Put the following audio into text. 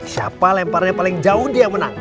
siapa lemparannya paling jauh dia yang menang